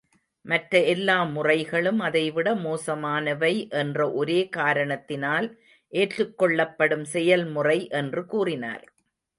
மற்ற எல்லா முறைகளும் அதைவிட மோசமானவை என்ற ஒரே காரணத்தினால் ஏற்றுக் கொள்ளப்படும் செயல்முறை என்று கூறினார்.